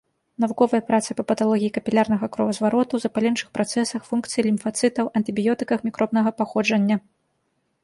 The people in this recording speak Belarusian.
Навуковыя працы па паталогіі капілярнага кровазвароту, запаленчых працэсах, функцыі лімфацытаў, антыбіётыках мікробнага паходжання.